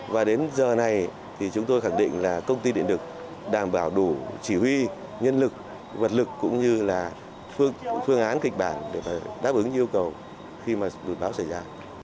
và đến giờ này thì chúng tôi khẳng định là công ty điện lực đảm bảo đủ chỉ huy nhân lực vật lực cũng như là phương án kịch bản để đáp ứng yêu cầu khi mà đột báo xảy ra